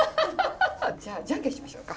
じゃあじゃんけんしましょうか。